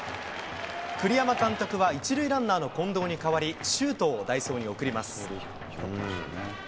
栗山監督は１塁ランナーの近藤に代わり、周東を代走に送ります。